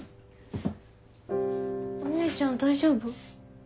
お姉ちゃん大丈夫？